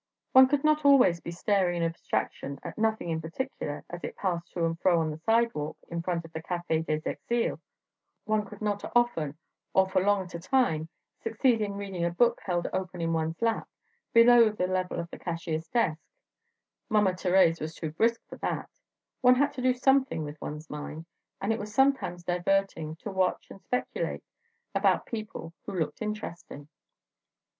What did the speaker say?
One could not always be staring in abstraction at nothing in particular as it passed to and fro on the sidewalk in front of the Café des Exiles; one could not often or for long at a time succeed in reading a book held open in one's lap, below the level of the cashier's desk, Mama Thérèse was too brisk for that; one had to do something with one's mind; and it was sometimes diverting to watch and speculate about people who looked interesting.